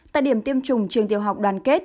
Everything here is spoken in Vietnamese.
tại điểm tiêm chủng trường tiêu học đoàn kết